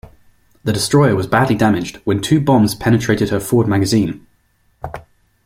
The destroyer was badly damaged when two bombs penetrated her forward magazine.